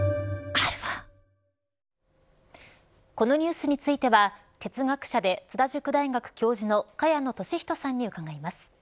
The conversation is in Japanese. このニュースについては哲学者で津田塾大学教授の萱野稔人さんに伺います。